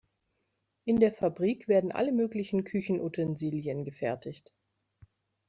In der Fabrik werden alle möglichen Küchenutensilien gefertigt.